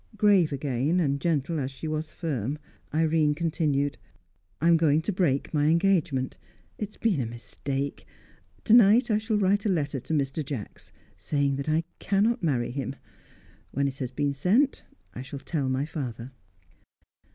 Grave again, and gentle as she was firm, Irene continued. "I am going to break my engagement. It has been a mistake. To night I shall write a letter to Mr. Jacks, saying that I cannot marry him; when it has been sent, I shall tell my father."